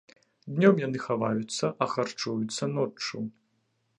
Днём яны хаваюцца, а харчуюцца ноччу.